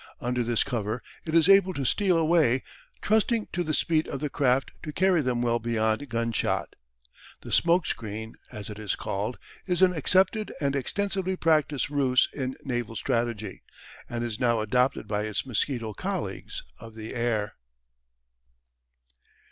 Under this cover it is able to steal away, trusting to the speed of the craft to carry them well beyond gunshot. The "smoke screen," as it is called, is an accepted and extensively practised ruse in naval strategy, and is now adopted by its mosquito colleagues of the air.